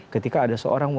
ketika ada seorang warga